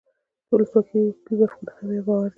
د ولسواکۍ مفکوره هم یو باور دی.